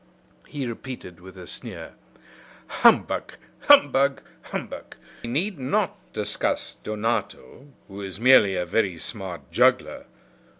He repeated with a sneer: "Humbug! humbug! humbug! We need not discuss Donato, who is merely a very smart juggler.